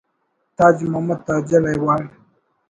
تاج محمد Tajal ایوارڈ